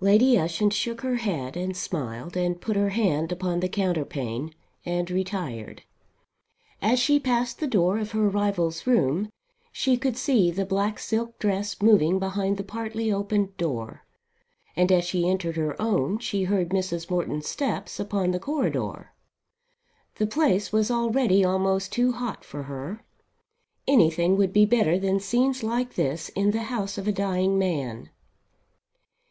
Lady Ushant shook her head, and smiled, and put her hand upon the counterpane, and retired. As she passed the door of her rival's room she could see the black silk dress moving behind the partly open door, and as she entered her own she heard Mrs. Morton's steps upon the corridor. The place was already almost "too hot" for her. Anything would be better than scenes like this in the house of a dying man.